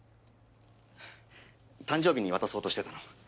誕生日に渡そうとしてたの。